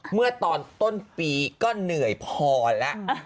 เมื่อตอนต้นปีก็เหนื่อยพอแล้ว